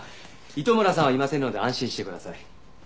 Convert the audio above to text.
糸村さんはいませんので安心してください。